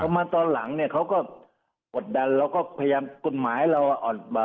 มาตอนหลังเนี่ยเขาก็กดดันเราก็พยายามกฎหมายเราอ่อน